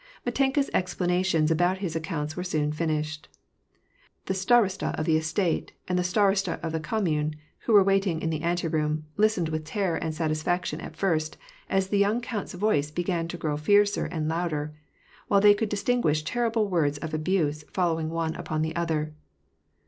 Mitenka's explanations about his accounts were soon fin ished. The st&rosta of the estate, and the stdrosta of the commune, who were waiting in the anteroom, listened with terror and satisfaction at first, as the young count's voioe began to grow fiercer and louder ; while they could distinguish terrible words of abuse, following one upon another.